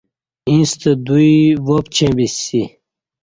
ییݩستہ دوی واپچیں بیسی